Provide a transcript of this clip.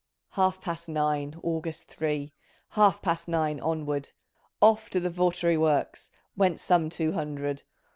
" Half past nine, August three — Half past nine — onward ! Off to the Vartry Worlcs Went some two hundred.